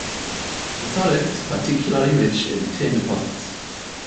The solid is particularly rich in tin deposits.